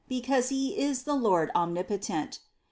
Because He is the Lord omnipotent